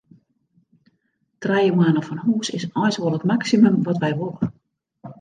Trije moanne fan hûs is eins wol it maksimum wat wy wolle.